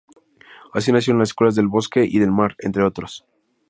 Así nacieron las escuelas del Bosque y del Mar, entre otros.